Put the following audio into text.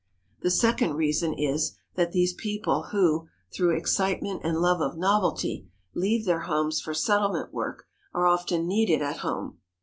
The second reason is that these people who, through excitement and love of novelty, leave their homes for settlement work are often needed at home.